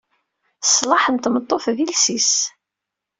Sslaḥ n tmeṭṭut d iles-is.